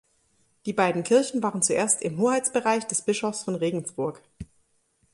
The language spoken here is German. Die beiden Kirchen waren zuerst im Hoheitsbereich des Bischofs von Regensburg.